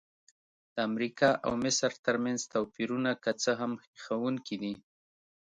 د امریکا او مصر ترمنځ توپیرونه که څه هم هیښوونکي دي.